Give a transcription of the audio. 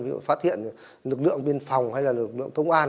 ví dụ phát hiện lực lượng biên phòng hay là lực lượng công an